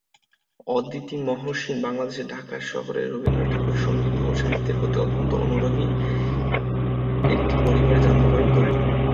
অদিতি মহসিন বাংলাদেশের ঢাকা শহরে রবীন্দ্রনাথ ঠাকুরের সঙ্গীত ও সাহিত্যের প্রতি অত্যন্ত অনুরাগী একটি পরিবারে জন্মগ্রহণ করেন।